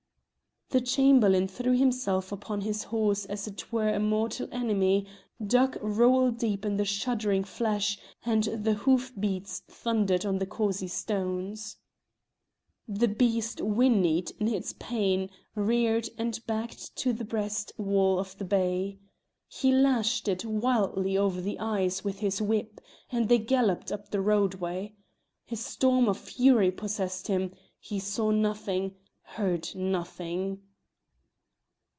The Chamberlain threw himself upon his horse as 'twere a mortal enemy, dug rowel deep in the shuddering flesh, and the hoof beats thundered on the causey stones. The beast whinnied in its pain, reared, and backed to the breast wall of the bay. He lashed it wildly over the eyes with his whip, and they galloped up the roadway. A storm of fury possessed him; he saw nothing, heard nothing.